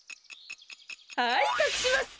はいかくします。